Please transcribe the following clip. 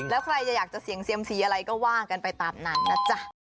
แล้วใครจะอยากจะเสี่ยงเซียมซีอะไรก็ว่ากันไปตามนั้นนะจ๊ะ